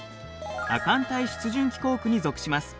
亜寒帯湿潤気候区に属します。